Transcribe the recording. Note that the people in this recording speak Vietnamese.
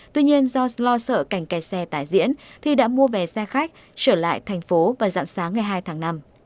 tuy nhiên do lo sợ cảnh kè xe tái diễn thi đã mua về xe khách trở lại thành phố và dặn sáng ngày hai tháng năm